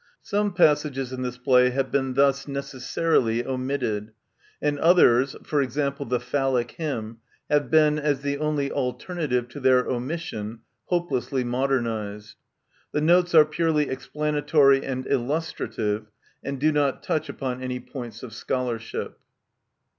Some passages in this play have been thus necessarily omitted, and others {e.g. the Phallic Hymn) have been, as the only alternative to their omission, hopelessly modernized The notes are purely explanatory and illustrative, and do not touch upon any points of scholarship.